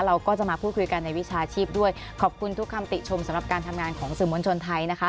เราก็จะมาพูดคุยกันในวิชาชีพด้วยขอบคุณทุกคำติชมสำหรับการทำงานของสื่อมวลชนไทยนะคะ